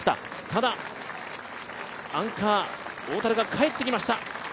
ただ、アンカー、大樽が帰ってきました。